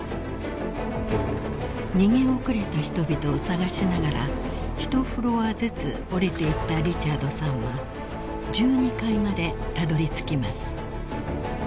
［逃げ遅れた人々をさがしながらひとフロアずつ下りていったリチャードさんは１２階までたどり着きます］